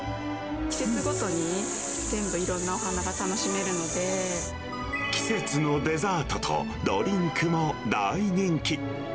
季節ごとに全部、いろんなお季節のデザートとドリンクも大人気。